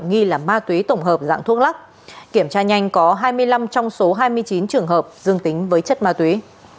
nghi là ma túy tổng hợp dạng thuốc lắc kiểm tra nhanh có hai mươi năm trong số hai mươi chín trường hợp dương tính với chất ma túy